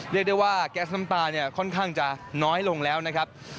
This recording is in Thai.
เรียกได้ว่าแก๊สน้ำตาเนี่ยค่อนข้างจะน้อยลงแล้วนะครับ